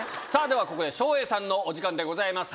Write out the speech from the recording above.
ではここで照英さんのお時間でございます。